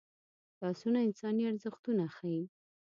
لاسونه انساني ارزښتونه ښيي